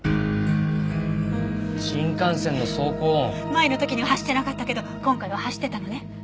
前の時には走ってなかったけど今回は走ってたのね。